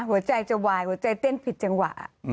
หัวใจจะวายหัวใจเต้นผิดจังหวะ